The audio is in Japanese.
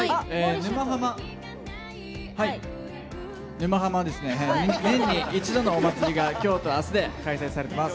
「沼ハマ」年に一度のお祭りが今日と明日で開催されてます。